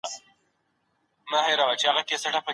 تاسو به هلته پردي نه یاست.